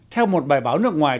theo một bài báo nước ngoài